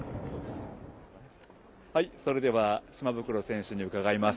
それでは、島袋選手に伺います。